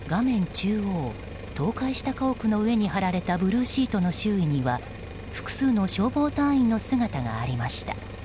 中央倒壊した家屋の上に張られたブルーシートの周囲には複数の消防隊員の姿がありました。